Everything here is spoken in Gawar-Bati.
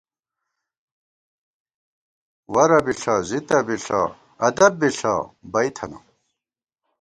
ورہ بی ݪہ زِتہ بی ݪہ ادب بی ݪہ بئی تھنہ